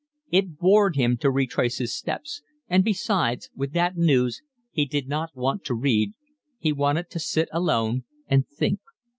It bored him to retrace his steps; and besides, with that news, he did not want to read, he wanted to sit alone and think.